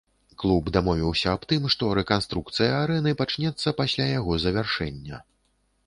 Клуб дамовіўся аб тым, што рэканструкцыя арэны пачнецца пасля яго завяршэння.